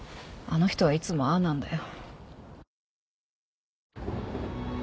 あの人はいつもああなんだよ。